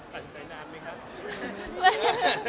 ตัดใจนานไหมคะสิ